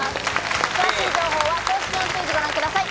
詳しい情報は公式ホームページをご覧ください。